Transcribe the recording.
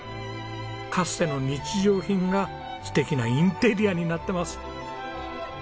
かつての日常品が素敵なインテリアになってます。